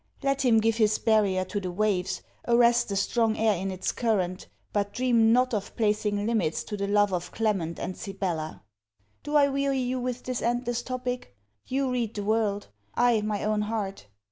Let him give his barrier to the waves, arrest the strong air in its current, but dream not of placing limits to the love of Clement and Sibella! Do I weary you with this endless topic? You read the world: I, my own heart.